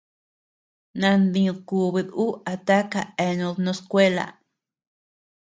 Nandid kubid ú a taka eanud no skuela.